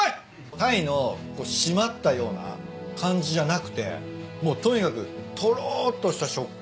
タイの締まったような感じじゃなくてもうとにかくとろっとした食感。